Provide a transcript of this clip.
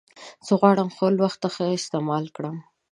زه غواړم خپل وخت ښه استعمال کړم.